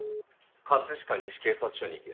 葛飾西警察署に行け。